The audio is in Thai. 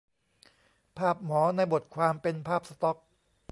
ภาพหมอในบทความเป็นภาพสต็อก